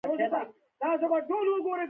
سترګې يې راوتلې وې.